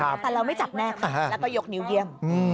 แต่เราไม่จับแน่ค่ะแล้วก็ยกนิ้วเยี่ยม